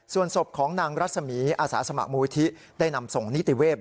ส่วนศพของนางรัศมีอาสาสมัครมูลิธิได้นำส่งนิติเวศ